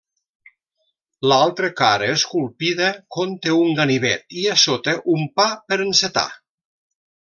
L'altra cara esculpida conté un ganivet i a sota un pa per encetar.